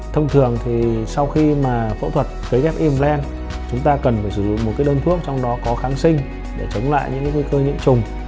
thông thường thì sau khi mà phẫu thuật kế ghép implant chúng ta cần phải sử dụng một cái đơn thuốc trong đó có kháng sinh để chống lại những cái nguy cơ nhiễm chủng